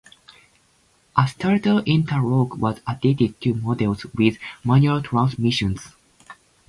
A starter interlock was added to models with manual transmissions.